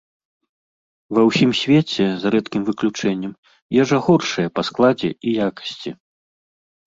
Ва ўсім свеце, за рэдкім выключэннем, ежа горшая па складзе і якасці.